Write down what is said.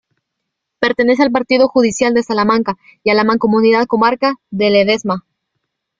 Pertenece al partido judicial de Salamanca y a la Mancomunidad Comarca de Ledesma.